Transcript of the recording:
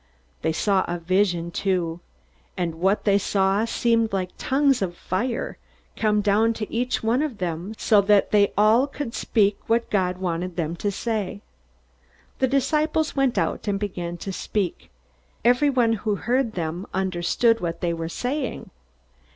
They saw a vision too, and what they saw seemed like tongues of fire, coming down to each one of them so that all could speak what God wanted them to say. The disciples went out and began to speak. Everyone who heard them understood what they were saying.